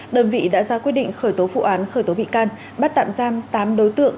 đơn vị đã ra quyết định khởi tố vụ án khởi tố bị can bắt tạm giam tám đối tượng